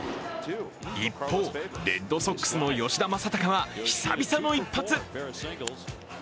一方、レッドソックスの吉田正尚は久々の一発。